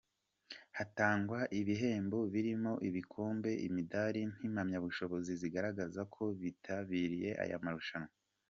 Hatangwa ibihembo birimo ibikombe, imidari n’impamyabushobozi zigaragaza ko bitabiriye aya marushanwa.